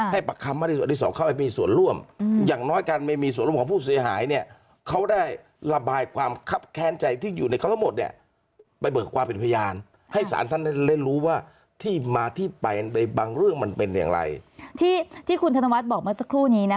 ให้ปักคำว่าที่สอบเข้าไปมีส่วนร่วมอย่างน้อยการไม่มีส่วนร่วมของผู้เสียหาย